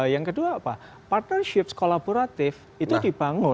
yang kedua apa partnerships kolaboratif itu dibangun